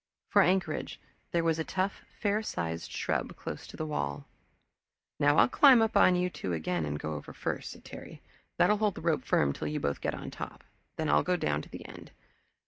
For anchorage there was a tough, fair sized shrub close to the wall. "Now I'll climb up on you two again and go over first," said Terry. "That'll hold the rope firm till you both get up on top. Then I'll go down to the end.